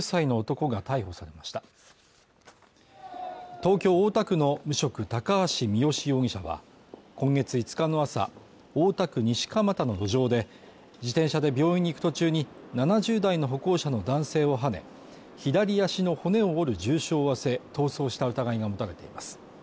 東京大田区の無職高橋三好容疑者は今月５日の朝大田区西蒲田の路上で自転車で病院に行く途中に７０代の歩行者の男性をはね左足の骨を折る重傷を負わせ逃走した疑いが持たれています